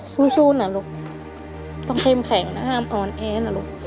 สู้นะลูกต้องเข้มแข็งนะห้ามออนแอนะลูก